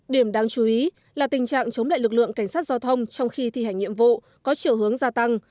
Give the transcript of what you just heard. điểm đáng chú ý là tình trạng chống lại lực lượng cảnh sát giao thông trong khi thi hành nhiệm vụ có chiều hướng gia tăng